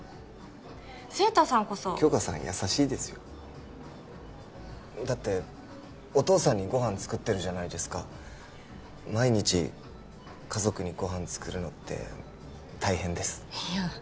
晴太さんこそ杏花さん優しいですよだってお父さんにご飯作ってるじゃないですか毎日家族にご飯作るのって大変ですいや